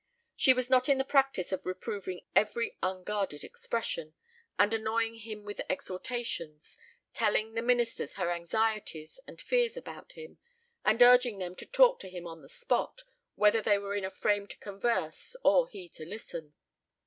She was not in the practice of reproving every unguarded expression, and annoying him with exhortations; telling the ministers her anxieties and fears about him, and urging them to talk to him on the spot, whether they were in a frame to converse, or he to listen.